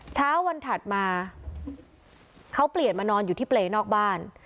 เช้าวันถัดมาเขาเปลี่ยนมานอนอยู่ที่เปรย์นอกบ้าน